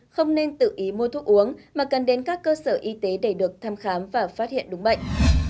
không nên tự ý mua thuốc uống mà cần đến các cơ sở y tế để được thăm khám và phát hiện đúng bệnh